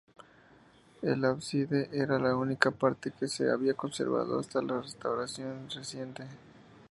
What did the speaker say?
El ábside era la única parte que se había conservado, hasta la restauración reciente.